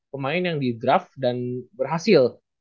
pemain yang di draft dan berhasil